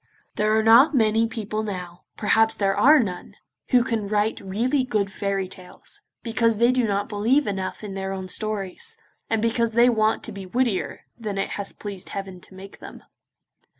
There are not many people now, perhaps there are none, who can write really good fairy tales, because they do not believe enough in their own stories, and because they want to be wittier than it has pleased Heaven to make them.